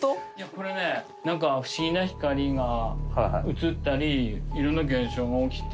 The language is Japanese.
これねなんか不思議な光が映ったり色んな現象が起きて。